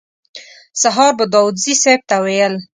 سهار به داوودزي صیب ته ویل.